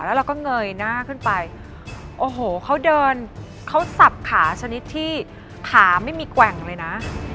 แล้วเราก็เงยหน้าขึ้นไปโอ้โหเขาเดินเขาสับขาชนิดที่ขาไม่มีแกว่งเลยนะ